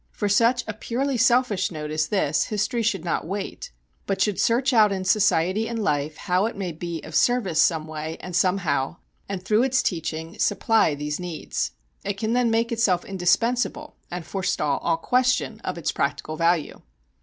For such a purely selfish note as this history should not wait; but should search out in society and life how it may be of service some way and somehow, and through its teaching supply these needs. It can then make itself indispensable and forestall all question of its practical value.